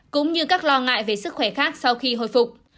cũng như các lo ngại về sức khỏe khác sau khi hồi phục